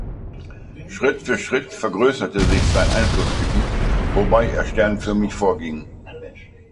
Schritt für Schritt vergrößerte sich sein Einflussgebiet, wobei er sternförmig vorging.